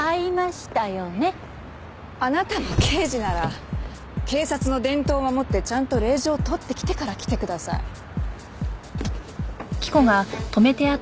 あなたも刑事なら警察の伝統を守ってちゃんと令状を取ってきてから来てください。